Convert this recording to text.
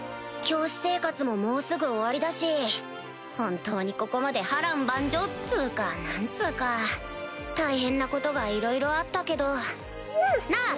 教師生活ももうすぐ終わりだし本当にここまで波瀾万丈っつうか何つうか大変なことがいろいろあったけどなぁ？